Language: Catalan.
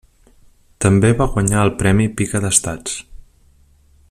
També va guanyar el premi Pica d'Estats.